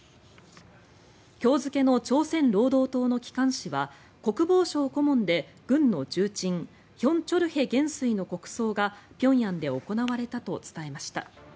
今日付の朝鮮労働党の機関紙は国防省顧問で軍の重鎮ヒョン・チョルヘ元帥の国葬が平壌で行われたと伝えました。